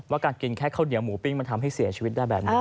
การกินแค่ข้าวเหนียวหมูปิ้งมันทำให้เสียชีวิตได้แบบนี้